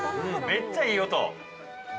めっちゃいい音！